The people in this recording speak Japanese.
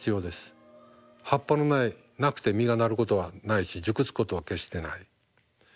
葉っぱのないなくて実がなることはないし熟すことは決してない。